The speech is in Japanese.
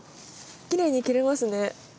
きれいに切れますね。